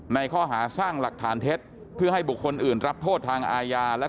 ในข้อหาสร้างหลักฐานเท็จเพื่อให้บุคคลอื่นรับโทษทางอาญา